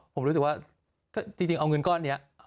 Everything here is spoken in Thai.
ผมรู้สึกว่าจริงเอาเงินก้อนนี้